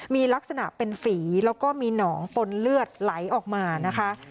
มีลักษณะเป็นฝีแล้วก็มีหนองปนเลือดไหลออกมานะคะ